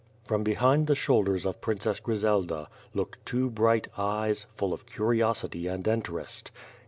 From behind the shoulders of Princess Grizelda, looked two bright eyes, full of curiosity and interest.